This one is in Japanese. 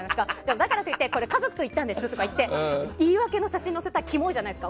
だからといって家族と行ったんですって言って言い訳の写真を載せたらキモいじゃないですか。